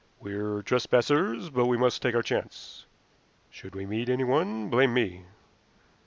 "We're trespassers, but we must take our chance. Should we meet anyone, blame me.